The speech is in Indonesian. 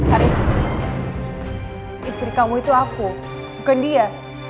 haris istri kamu itu aku bukan dia